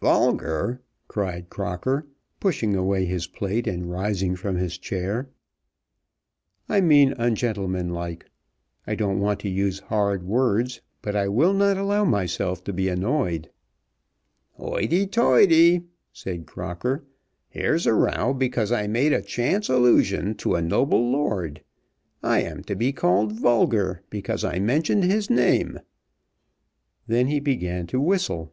"Vulgar!" cried Crocker, pushing away his plate, and rising from his chair. "I mean ungentlemanlike. I don't want to use hard words, but I will not allow myself to be annoyed." "Hoity, toity," said Crocker, "here's a row because I made a chance allusion to a noble lord. I am to be called vulgar because I mentioned his name." Then he began to whistle.